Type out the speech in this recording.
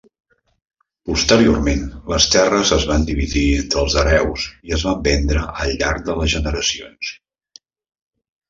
Posteriorment les terres es van dividir entre els hereus i es van vendre al llarg de les generacions.